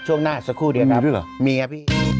ช่วงหน้าสักครู่เดียวกันกันครับมีเหรอ